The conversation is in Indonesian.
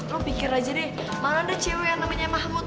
lo pikir aja deh mana ada cewek yang namanya mahmud